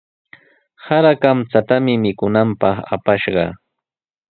Sara kamchatami mikunanpaq apashqa.